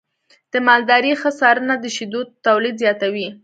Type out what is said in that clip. د مالدارۍ ښه څارنه د شیدو تولید زیاتوي.